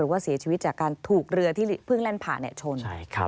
ว่าเสียชีวิตจากการถูกเรือที่เพิ่งแล่นผ่านชน